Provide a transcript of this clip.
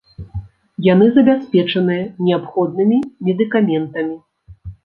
Яны забяспечаныя неабходнымі медыкаментамі.